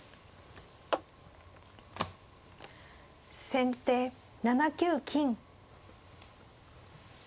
先手７九金。